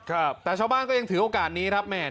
ครับแต่ชาวบ้านก็ยังถือโอกาสนี้ครับแม่